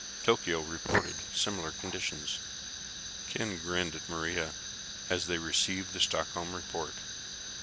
Tokyo reported similar conditions. Ken grinned at Maria as they received the Stockholm report.